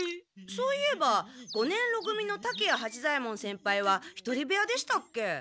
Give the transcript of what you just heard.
そういえば五年ろ組の竹谷八左ヱ門先輩は１人部屋でしたっけ。